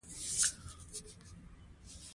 اداري کارکوونکی د واک ناوړه کارونې مسؤل دی.